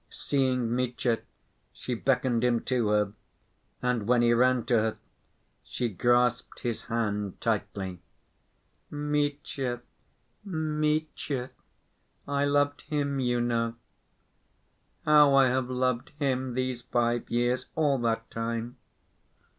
Seeing Mitya, she beckoned him to her, and when he ran to her, she grasped his hand tightly. "Mitya, Mitya, I loved him, you know. How I have loved him these five years, all that time!